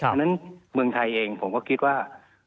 เพราะฉะนั้นเมืองไทยเองผมก็คิดว่า